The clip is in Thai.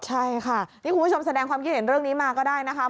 ใช่ค่ะนี่คุณผู้ชมแสดงความคิดเห็นเรื่องนี้มาก็ได้นะคะ